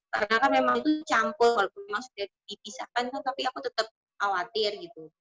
karena memang itu campur memang sudah dipisahkan tapi aku tetap khawatir